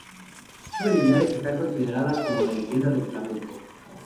Carmen Linares está considerada como una leyenda del flamenco.